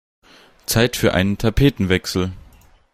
Zeit für einen Tapetenwechsel!